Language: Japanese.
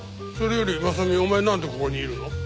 それより真実お前なんでここにいるの？